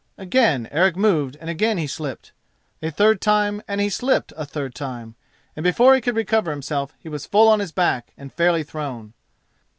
Again Eric moved and again he slipped, a third time and he slipped a third time, and before he could recover himself he was full on his back and fairly thrown.